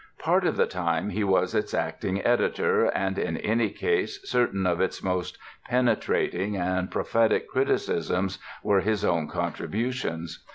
Part of the time he was its acting editor and in any case certain of its most penetrating and prophetic criticisms were his own contributions.